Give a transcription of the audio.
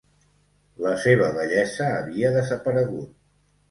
La seva bellesa havia desaparegut.